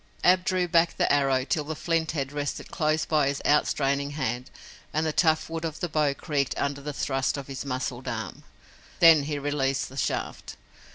Ab drew back the arrow till the flint head rested close by his out straining hand and the tough wood of the bow creaked under the thrust of his muscled arm. Then he released the shaft.